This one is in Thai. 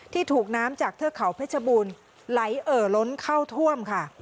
ถูกน้ำจากเทือกเขาเพชรบูรณ์ไหลเอ่อล้นเข้าท่วมค่ะ